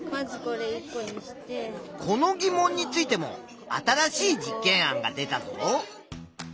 この疑問についても新しい実験案が出たぞ。